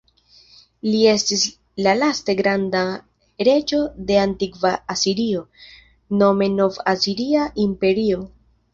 Li estis la laste granda reĝo de antikva Asirio, nome Nov-Asiria Imperio.